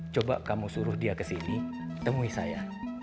coba kamu suruh dia ke sini temui saya